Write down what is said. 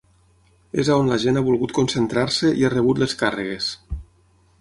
És on la gent ha volgut concentrar-se i ha rebut les càrregues.